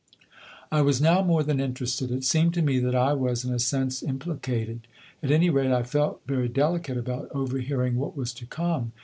I was now more than interested, it seemed to me that I was, in a sense, implicated. At any rate I felt very delicate about overhearing what was to come.